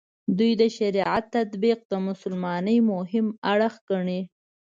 دوی د شریعت تطبیق د مسلمانۍ مهم اړخ ګڼي.